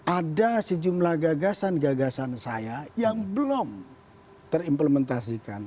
ada sejumlah gagasan gagasan saya yang belum terimplementasikan